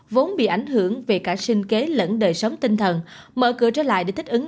vốn bị ảnh hưởng về cả sinh kế lẫn đời sống tinh thần mở cửa trở lại để thích ứng